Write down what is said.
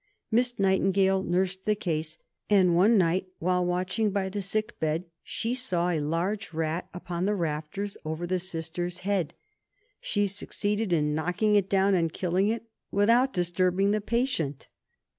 Miss Nightingale nursed the case; and one night, while watching by the sick bed, she saw a large rat upon the rafters over the Sister's head; she succeeded in knocking it down and killing it, without disturbing the patient.